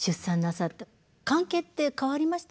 関係って変わりました？